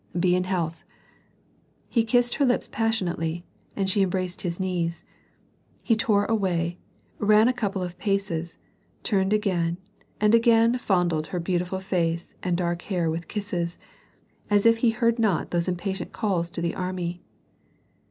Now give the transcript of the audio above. Be in health." He kissed her lips passionately, and she embraced his knees. He tore away, ran a couple of paces, turned again, and again fondled her beautiful face and dark hair with kisses, as if he heard not those impatient calls to the army.